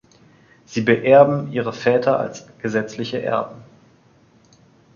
Sie beerben ihre Väter als gesetzliche Erben.